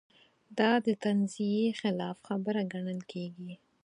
دا د تنزیې خلاف خبره ګڼل کېږي.